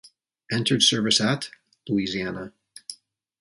Entered service at: Louisiana.